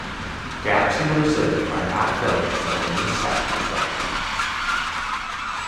Gaps in the reserve are not filled until a new set is dealt.